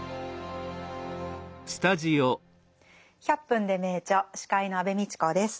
「１００分ｄｅ名著」司会の安部みちこです。